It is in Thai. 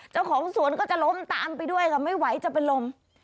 เจ้าของสวนก็จะล้มตามไปด้วยค่ะไม่ไหวจะเป็นลม